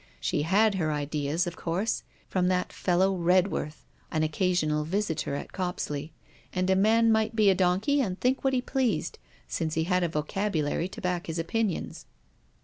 She had her ideas, of course, from that fellow Redworth, an occasional visitor at Copsley; and a man might be a donkey and think what he pleased, since he had a vocabulary to back his opinions.